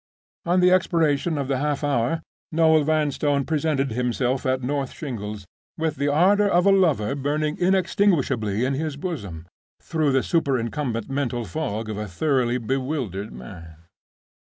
On the expiration of the half hour Noel Vanstone presented himself at North Shingles, with the ardor of a lover burning inextinguishably in his bosom, through the superincumbent mental fog of a thoroughly bewildered man.